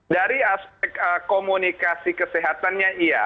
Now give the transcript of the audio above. dari aspek komunikasi kesehatannya iya